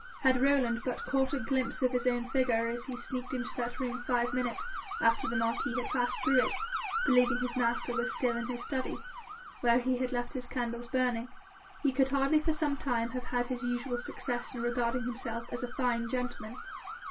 Had Rowland but caught a glimpse of his own figure as he sneaked into that room five minutes after the marquis had passed through it, believing his master was still in his study, where he had left his candles burning, he could hardly for some time have had his usual success in regarding himself as a fine gentleman.